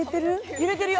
揺れてるよ！